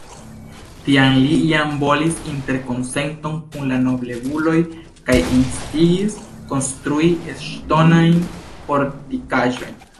Tiam li jam volis interkonsenton kun la nobeluloj kaj instigis konstrui ŝtonajn fortikaĵojn.